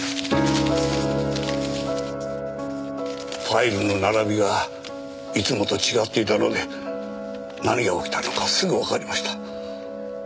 ファイルの並びがいつもと違っていたので何が起きたのかすぐわかりました。